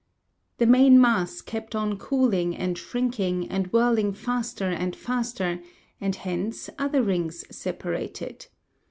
The main mass kept on cooling and shrinking and whirling faster and faster and hence other rings separated.